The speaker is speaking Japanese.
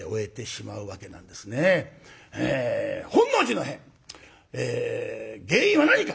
本能寺の変原因は何か。